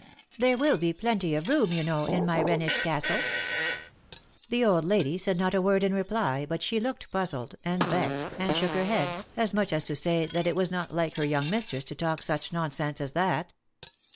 There will be plenty of room, you know, in my Rhenish castle." The old lady said not a word in reply, but she looked puzzled, and vexed, and shook her head, as much as to say that it was not like her young mistress to talk such nonsense as that.